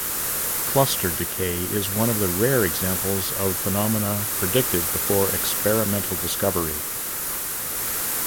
Cluster decay is one of the rare examples of phenomena predicted before experimental discovery.